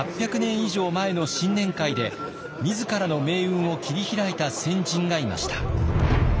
以上前の新年会で自らの命運を切り開いた先人がいました。